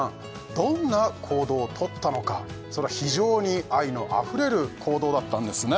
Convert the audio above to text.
どんな行動をとったのかそれは非常に愛のあふれる行動だったんですね